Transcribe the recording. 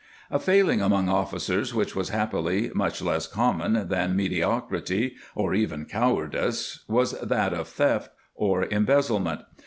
^ A fail ing among officers which was happily much less common than mediocrity or even cowardice was that of theft or embezzlement.